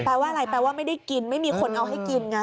แปลว่าอะไรแปลว่าไม่ได้กินไม่มีคนเอาให้กินไง